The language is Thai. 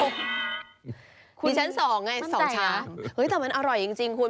มีชั้น๒ไง๒ชั้นแต่มันอร่อยจริงคุณ